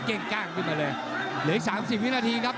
เก้งกล้างขึ้นมาเลยเหลืออีก๓๐วินาทีครับ